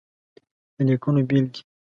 د ليکنو بېلګې :